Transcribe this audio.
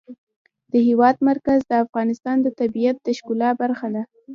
د هېواد مرکز د افغانستان د طبیعت د ښکلا برخه ده.